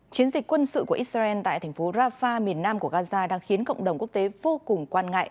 chiến dịch quân sự của israel tại thành phố rafah miền nam của gaza đang khiến cộng đồng quốc tế vô cùng quan ngại